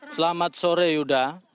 selamat sore yuda